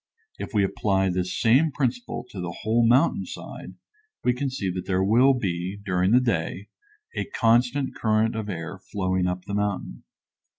If we apply this same principle to the whole mountain side we can see that there will be, during the day, a constant current of air flowing up the mountain.